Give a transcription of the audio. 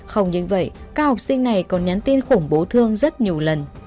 không những vậy các học sinh này còn nhắn tin khủng bố thương rất nhiều lần